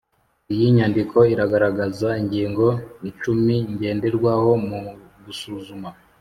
iyi nyandiko iragaragaza ingingo icumi ngenderwaho mu gusuzuma